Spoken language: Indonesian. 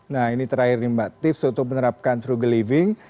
nah ini terakhir nih mbak tips untuk menerapkan frugal living